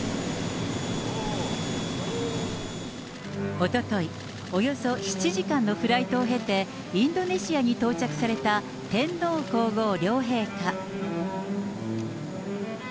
おととい、およそ７時間のフライトを経てインドネシアに到着された天皇皇后両陛下。